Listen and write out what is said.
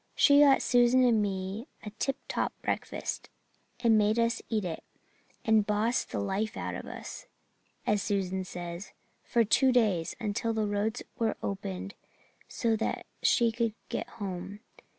She got Susan and me a tip top breakfast and made us eat it, and 'bossed the life out of us,' as Susan says, for two days, until the roads were opened so that she could get home.